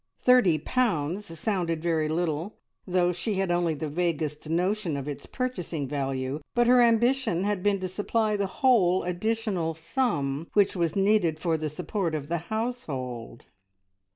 Thirty pounds sounded very little, though she had only the vaguest notion of its purchasing value, but her ambition had been to supply the whole additional sum which was needed for the support of the household.